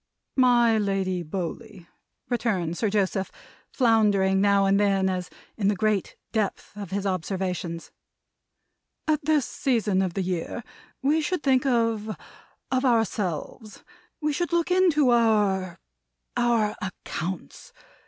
"My Lady Bowley," returned Sir Joseph, floundering now and then, as in the great depth of his observations, "at this season of the year we should think of of ourselves. We should look into our our accounts.